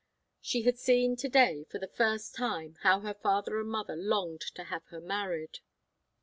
She had seen to day, for the first time, how her father and mother longed to have her married.